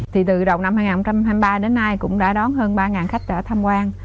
thì từ đầu năm hai nghìn hai mươi ba đến nay cũng đã đón hơn ba khách đã tham quan